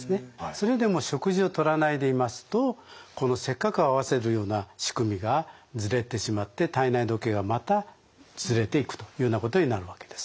それでも食事をとらないでいますとこのせっかく合わせるような仕組みがズレてしまって体内時計がまたズレていくというなことになるわけです。